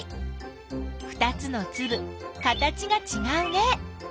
ふたつのつぶ形がちがうね。